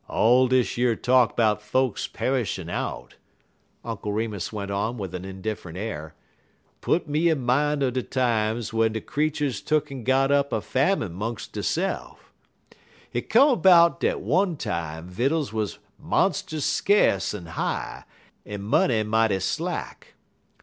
"All dish yer talk 'bout folks pe'shin' out," Uncle Remus went on with an indifferent air, "put me in min' er de times w'en de creeturs tuck'n got up a famine 'mungs deyse'f. Hit come 'bout dat one time vittles wuz monst'us skace en high, en money mighty slack.